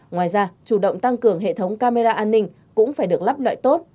ngoài ra chủ động tăng cường hệ thống camera an ninh cũng phải được lắp lại tốt